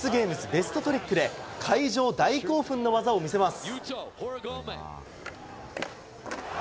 ベストトリックで、会場大興奮の技を見せます。